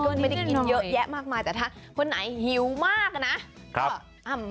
ก็ไปกินเยอะแยะมากมายแต่ถ้าคนไหนหิวมากนะครับ